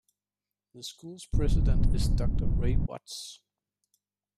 The school's president is Doctor Ray Watts.